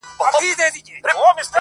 يوه ورځ وو د سرکار دام ته لوېدلى٫